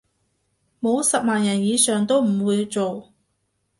冇十萬人以上都唔會做